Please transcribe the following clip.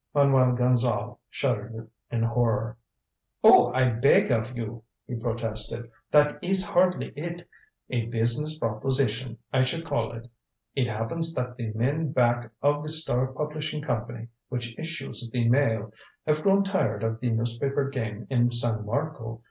Manuel Gonzale shuddered in horror. "Oh, I beg of you," he protested. "That is hardly it. A business proposition, I should call it. It happens that the men back of the Star Publishing Company, which issues the Mail, have grown tired of the newspaper game in San Marco.